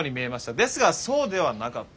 ですがそうではなかった。